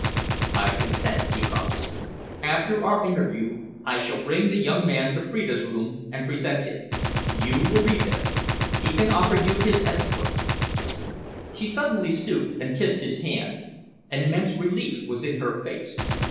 "I consent," he promised. "After our interview, I shall bring the young man to Freda's room and present him. You will be there. He can offer you his escort." She suddenly stooped and kissed his hand. An immense relief was in her face.